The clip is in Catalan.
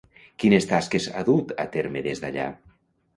Quines tasques ha dut a terme des d'allà?